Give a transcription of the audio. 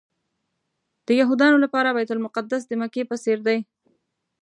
د یهودانو لپاره بیت المقدس د مکې په څېر دی.